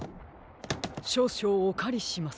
しょうしょうおかりします。